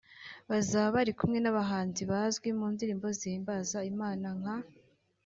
Bazaba bari kumwe n’abahanzi bazwi mu ndirimbo zihimbaza Imana nka